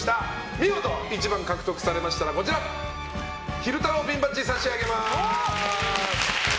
見事１番を獲得されましたら昼太郎ピンバッジを差し上げます。